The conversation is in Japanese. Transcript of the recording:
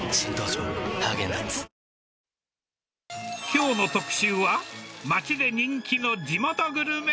きょうの特集は、町で人気の地元グルメ。